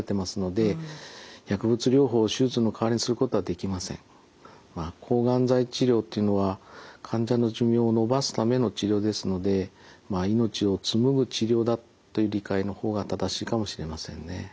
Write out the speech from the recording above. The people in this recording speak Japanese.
あくまでもまあ抗がん剤治療っていうのは患者の寿命を延ばすための治療ですので命を紡ぐ治療だという理解の方が正しいかもしれませんね。